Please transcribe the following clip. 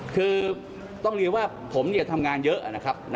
คือต้องเรียนว่าผมทำงานเยอะนะครับ